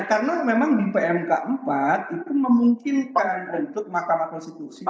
karena memang di pmk empat itu memungkinkan untuk mahkamah konstitusi